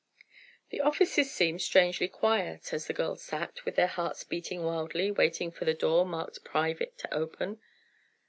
The offices seemed strangely quiet, as the girls sat, with their hearts beating wildly, waiting for the door marked "Private" to open.